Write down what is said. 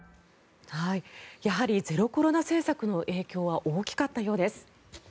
やはりゼロコロナ政策の影響は大きかったようです。